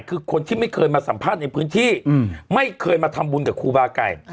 คือคนที่ไม่เคยมาสัมภาษณ์ในพื้นที่ไม่เคยมาทำบุญกับครูบาไก่